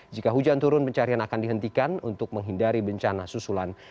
jika hujan turun pencarian akan dihentikan untuk menghindari bencana susulan